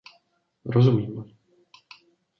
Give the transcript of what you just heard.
Rozumím.